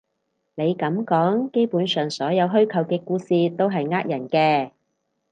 你噉講，基本上所有虛構嘅故事都係呃人嘅